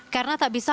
karena tak bisa melaut